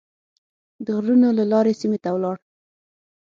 د غرونو له لارې سیمې ته ولاړ.